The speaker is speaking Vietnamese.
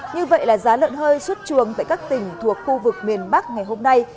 như vậy là giá lợn hơi xuất chuồng tại các tỉnh thuộc khu vực miền bắc ngày hôm nay